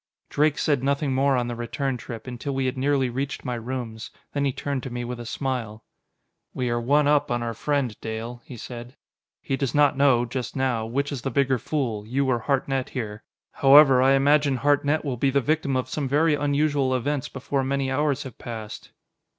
Drake said nothing more on the return trip, until we had nearly reached my rooms. Then he turned to me with a smile. "We are one up on our friend, Dale," he said. "He does not know, just now, which is the bigger fool you or Hartnett here. However, I imagine Hartnett will be the victim of some very unusual events before many hours have passed!"